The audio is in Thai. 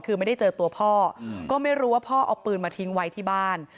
คือไม่ได้เจอตัวพ่อก็ไม่รู้ว่าพ่อเอาปืนมาทิ้งไว้ที่บ้าน